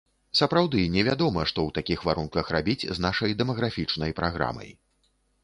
Сапраўды не вядома, што ў такіх варунках рабіць з нашай дэмаграфічнай праграмай.